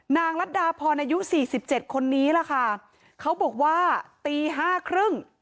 รัฐดาพรอายุสี่สิบเจ็ดคนนี้ล่ะค่ะเขาบอกว่าตีห้าครึ่ง